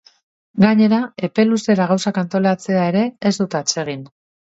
Gainera, epe luzera gauzak antolatzea ere ez dut atsegin.